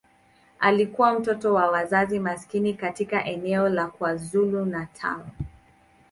Alikuwa mtoto wa wazazi maskini katika eneo la KwaZulu-Natal.